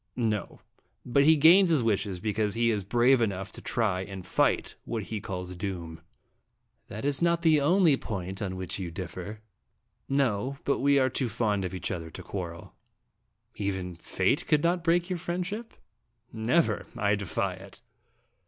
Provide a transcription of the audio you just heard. "No; but he gains his wishes because he is brave enough to try and fight what he calls doom." " That is not the only point on which you differ." " No; but we are too fond of each other to quarrel." " Even Fate could not break your friend ship?" " Never. I defy it."